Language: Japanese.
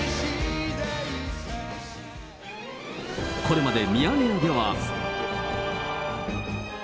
これまでミヤネ屋では。